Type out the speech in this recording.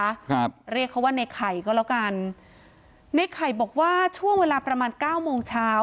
ครับเรียกเขาว่าในไข่ก็แล้วกันในไข่บอกว่าช่วงเวลาประมาณเก้าโมงเช้า